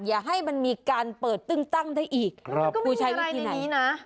อย่าให้มันมีการเปิดตึ้งตั้งได้อีกครับมันก็ไม่มีอะไรในนี้น่ะ